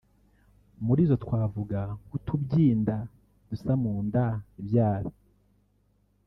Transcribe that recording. muri zo twavuga nk’utubyinda tuza mu nda ibyara